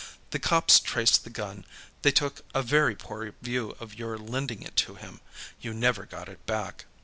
The cops traced the gun; they took a very poor view of your lending it to him. You never got it back."